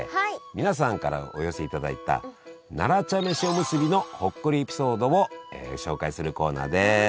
皆さんからお寄せいただいた奈良茶飯おむすびのほっこりエピソードを紹介するコーナーです。